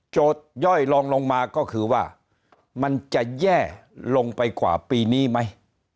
ย่อยลองลงมาก็คือว่ามันจะแย่ลงไปกว่าปีนี้ไหม